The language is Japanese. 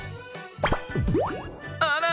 あら！